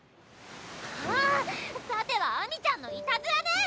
あっさては秋水ちゃんのいたずらね！